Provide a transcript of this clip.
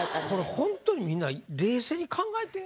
ほんとにみんな冷静に考えて。